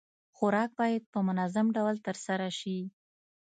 خوراک بايد په منظم ډول ترسره شي.